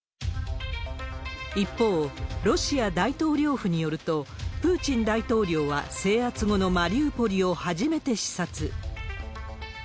一方、ロシア大統領府によると、プーチン大統領は制圧後のマリウポリを初めて視察。